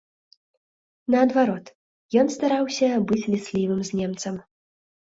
Наадварот, ён стараўся быць ліслівым з немцам.